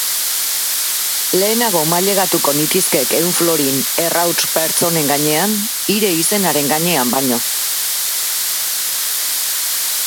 Lehenago mailegatuko nitizkek ehun florin errauts-pertz honen gainean, hire izenaren gainean baino.